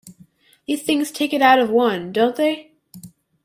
These things take it out of one, don't they?